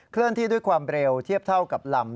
เลื่อนที่ด้วยความเร็วเทียบเท่ากับลำ